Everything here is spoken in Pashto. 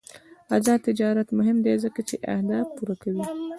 آزاد تجارت مهم دی ځکه چې اهداف پوره کوي.